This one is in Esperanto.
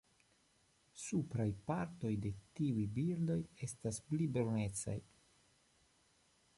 Supraj partoj de tiuj birdoj estas pli brunecaj.